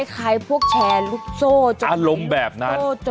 คล้ายพวกแชร์ลูกโซ่อารมณ์แบบนั้น